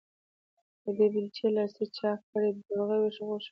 د دې بېلچې لاستي چاک کړی، د ورغوي غوښه نيسي.